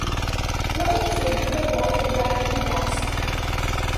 Why is a raven like a writing desk?